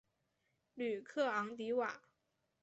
吕克昂迪瓦。